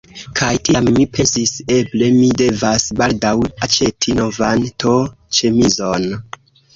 Kaj tiam mi pensis: eble mi devas baldaŭ aĉeti novan t-ĉemizon.